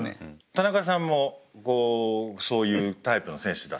田中さんもそういうタイプの選手だったんですか？